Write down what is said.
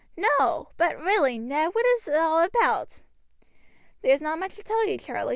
"No! but really, Ned, what is it all about?" "There is not much to tell you, Charlie.